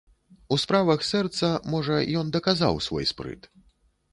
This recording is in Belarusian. У справах сэрца, можа, ён даказаў свой спрыт.